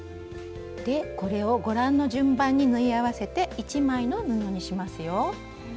これをご覧の順番に縫い合わせて１枚の布にしますよ。